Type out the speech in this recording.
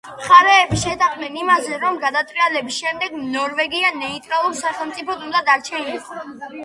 მხარეები შეთანხმდნენ იმაზე, რომ გადატრიალების შემდეგ ნორვეგია ნეიტრალურ სახელმწიფოდ უნდა დარჩენილიყო.